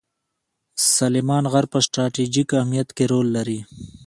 سلیمان غر په ستراتیژیک اهمیت کې رول لري.